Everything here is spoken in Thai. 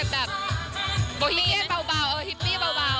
นี่หิปปี้เบา